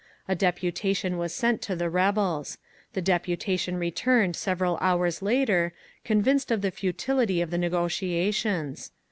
A deputation was sent to the rebels; the deputation returned several hours later, convinced of the futility of the negotiations.